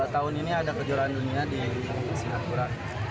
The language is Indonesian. tahun ini ada kejuaraan dunia di singapura